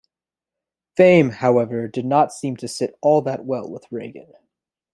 Fame, however, did not seem to sit all that well with Regan.